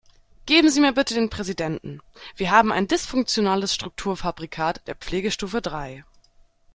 Geben Sie mir bitte den Präsidenten, wir haben ein dysfunktionales Strukturfabrikat der Pflegestufe drei.